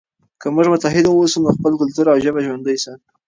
که موږ متحد واوسو نو خپل کلتور او ژبه ژوندی ساتو.